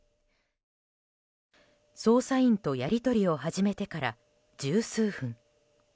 捜査員とやり取りを始めてから十数分。